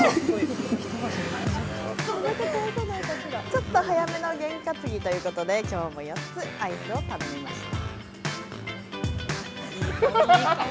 ちょっと早めの験担ぎということできょうも４つアイスを頼みました。